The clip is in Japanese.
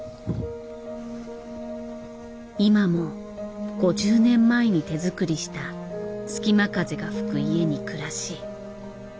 今も５０年前に手作りした隙間風が吹く家に暮らし